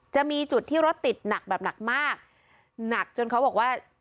จะมีจุดที่รถติดหนักแบบหนักมากหนักจนเขาบอกว่า